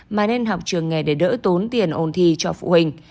mà nên học trường nghề để đỡ tốn tiền ôn thi cho phụ huynh